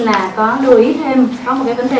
là có lưu ý thêm có một cái vấn đề